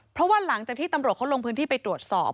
เพราะว่าหลังจากที่ตำรวจเขาลงพื้นที่ไปตรวจสอบ